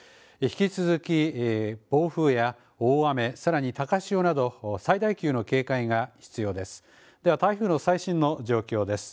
引き続き暴風や大雨、さらに高潮など、最大級の警戒が必要です。